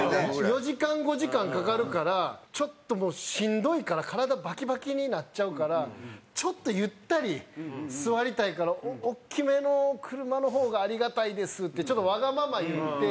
４時間５時間かかるからちょっともうしんどいから体バキバキになっちゃうからちょっとゆったり座りたいから「大きめの車の方がありがたいです」ってちょっとわがまま言って。